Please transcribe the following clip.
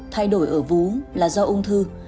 thay đổi ở vú là do ung thư